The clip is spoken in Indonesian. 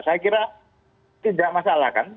saya kira tidak masalah kan